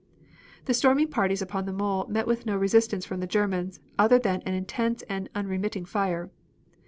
The storming parties upon the mole met with no resistance from the Germans other than an intense and unremitting fire.